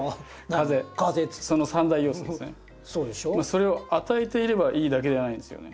それを与えていればいいだけじゃないんですよね。